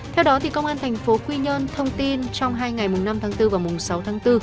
theo đó công an tp quy nhơn thông tin trong hai ngày năm bốn và sáu bốn